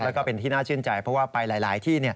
แล้วก็เป็นที่น่าชื่นใจเพราะว่าไปหลายที่